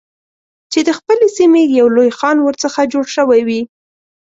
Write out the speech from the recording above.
چې د خپلې سیمې یو لوی خان ورڅخه جوړ شوی وي.